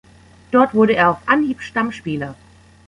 Dort wurde er auf Anhieb Stammspieler.